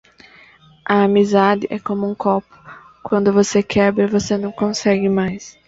A amizade é como um copo: quando você quebra, você não consegue mais.